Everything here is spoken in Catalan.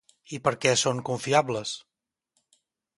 I per què són confiables?